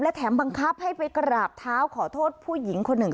แถมบังคับให้ไปกราบเท้าขอโทษผู้หญิงคนหนึ่ง